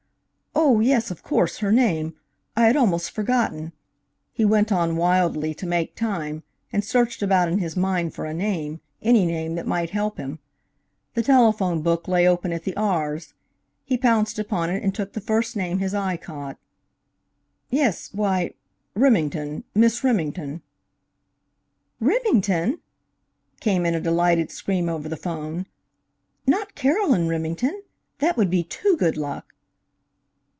"Oh, yes, of course; her name I had almost forgotten," he went on wildly, to make time, and searched about in his mind for a name any name that might help him. The telephone book lay open at the r's. He pounced upon it and took the first name his eye caught. "Yes why Remington, Miss Remington." "Remington!" came in a delighted scream over the phone. "Not Carolyn Remington? That would be too good luck!"